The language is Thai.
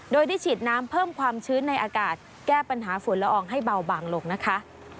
โดยได้ฉีดน้ำเพิ่มความชื้นในอากาศแก้ปัญหาฝุ่นละอองให้เบาบางลงนะคะ